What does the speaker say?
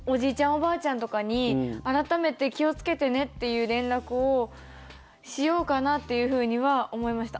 おばあちゃんとかに改めて気をつけてねという連絡をしようかなっていうふうには思いました。